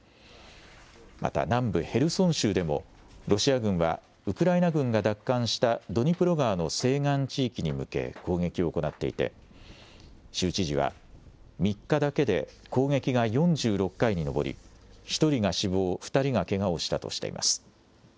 また、南部ヘルソン州でも、ロシア軍はウクライナ軍が奪還したドニプロ川の西岸地域に向け攻撃を行っていて、州知事は、３日だけで攻撃が４６回に上り、１人が死亡、２人がけがをしたとしています。